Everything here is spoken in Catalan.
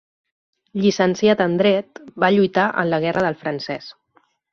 Llicenciat en dret, va lluitar en la Guerra del Francès.